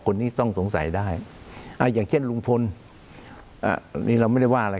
คนนี้ต้องสงสัยได้อ่าอย่างเช่นลุงพลอ่านี่เราไม่ได้ว่าอะไร